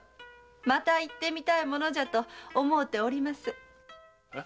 また行ってみたいものじゃと思うております。